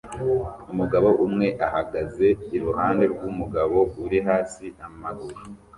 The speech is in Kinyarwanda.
Umugabo umwe ahagaze iruhande rwumugabo uri hasi amaguru